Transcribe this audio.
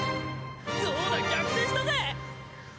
どうだ逆転したぜ！